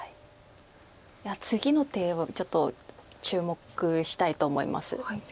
いや次の手はちょっと注目したいと思います。